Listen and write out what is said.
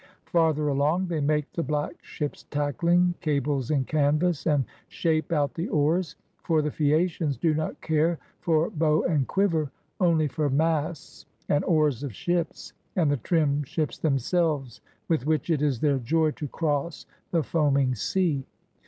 Farther along, they make the black ships' tackling, cables and canvas, and shape out the oars; for the Phaeacians do not care for bow and quiver, only for masts and oars of ships and the trim ships themselves, with which it is their joy to cross the foaming sea.